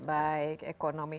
ini masalah yang penting